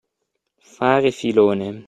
Fare filone.